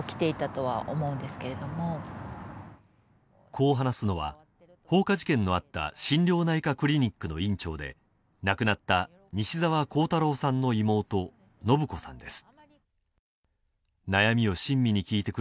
こう話すのは放火事件のあった心療内科クリニックの院長で亡くなった西澤弘太郎さんの妹・伸子さんです